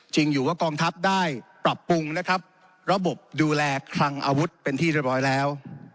อยู่ว่ากองทัพได้ปรับปรุงนะครับระบบดูแลคลังอาวุธเป็นที่เรียบร้อยแล้ว